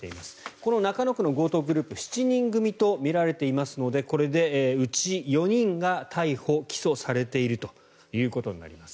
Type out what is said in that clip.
この中野区の強盗グループ７人組とみられていますのでこれで、うち４人が逮捕・起訴されているということになります。